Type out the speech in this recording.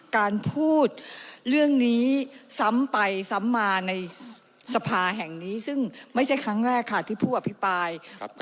การพูดเรื่องนี้ซ้ำไปซ้ำมาในสภาแห่งนี้ซึ่งไม่ใช่ครั้งแรกค่ะที่ผู้อภิปราย